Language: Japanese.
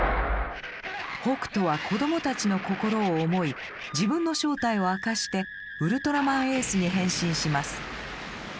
北斗は子供たちの心を思い自分の正体を明かしてウルトラマンＡに変身します。